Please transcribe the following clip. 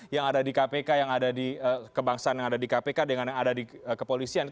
yang ada di kpk yang ada di kebangsaan